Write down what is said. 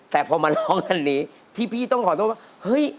แต่พอมาร้องอันนี้ที่พี่ต้องขอโทษว่าเฮ้ย